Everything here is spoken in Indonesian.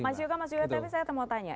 mas yuka mas yuka tapi saya mau tanya